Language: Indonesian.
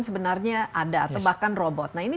sebenarnya ada atau bahkan robot nah ini